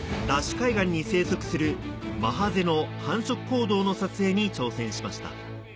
海岸に生息するマハゼの繁殖行動の撮影に挑戦しました